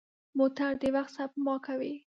موټر د وخت سپما کوي.